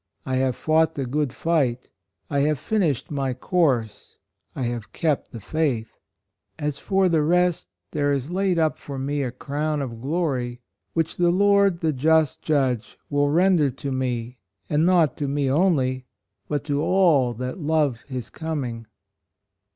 I have fought the good fight: I have finished my course: I have kept the faith. As for the rest there is laid up for me a crown of glory which the Lord the just Judge will render to me and not to me only, but to all that love his coming."